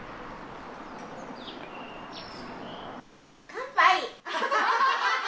乾杯。